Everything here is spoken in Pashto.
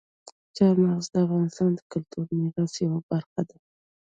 چار مغز د افغانستان د کلتوري میراث یوه برخه ده.